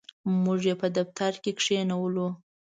موږ یې په دفتر کې کښېنولو.